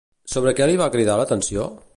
Sobre què li va cridar l'atenció?